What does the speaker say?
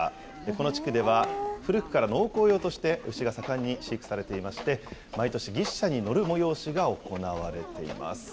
この地区では古くから農耕用として牛が盛んに飼育されていまして、毎年ぎっしゃに乗る催しが行われています。